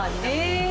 へえ